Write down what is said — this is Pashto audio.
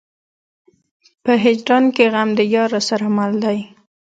په هجران کې غم د يار راسره مل دی.